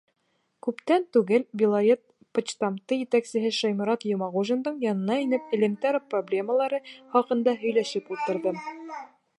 Күптән түгел Белорет почтамты етәксеһе Шайморат Йомағужиндың янына инеп, элемтә проблемалары хаҡында һөйләшеп ултырҙым.